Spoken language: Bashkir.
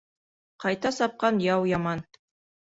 Ҡайта сапҡан яу яман.